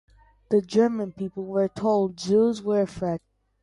The German people were told Jews were a threat.